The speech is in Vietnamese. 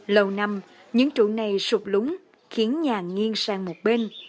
lâu năm những trụ này sụp lúng khiến nhà nghiêng sang một bên